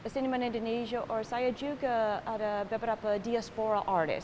siniman indonesia atau saya juga ada beberapa artis diaspora